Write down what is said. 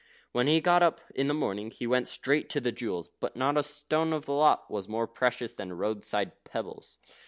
When he got up in the morning, he went straight to the jewels. But not a stone of the lot was more precious than roadside pebbles.